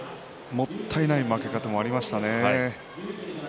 もったいない負け方もありましたね。